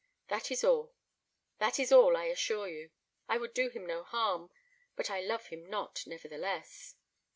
That is all that is all, I assure you; I would do him no harm but I love him not, nevertheless."